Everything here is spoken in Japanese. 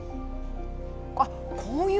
あっこういう。